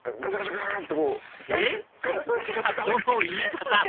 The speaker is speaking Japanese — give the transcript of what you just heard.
その言い方！